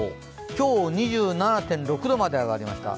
今日は２７．６度まで上がりました。